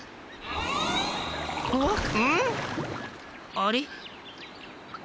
あれ？